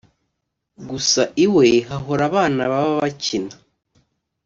Gusa iwe hahora abana baba bakina